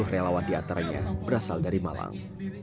lima puluh relawan di ataranya berasal dari malang